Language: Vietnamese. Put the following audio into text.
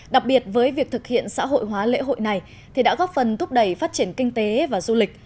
đặc biệt với việc thực hiện xã hội hóa lễ hội này thì đã góp phần thúc đẩy phát triển kinh tế và du lịch